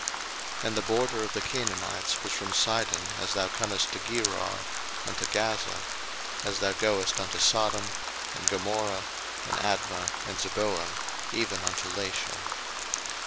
01:010:019 And the border of the Canaanites was from Sidon, as thou comest to Gerar, unto Gaza; as thou goest, unto Sodom, and Gomorrah, and Admah, and Zeboim, even unto Lasha.